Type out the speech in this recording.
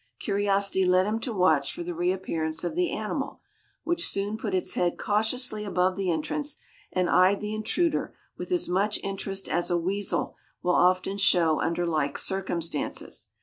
Curiosity led him to watch for the reappearance of the animal, which soon put its head cautiously above the entrance and eyed the intruder with as much interest as a weasel will often show under like circumstances.